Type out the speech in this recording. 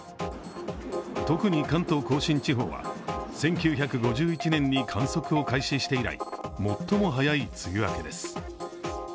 特に関東甲信地方は１９５１年に観測を開始して以来最も早い梅雨明けです。